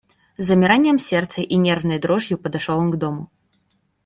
С замиранием сердца и нервной дрожью подошел он к дому.